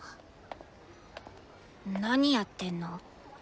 何やってんの？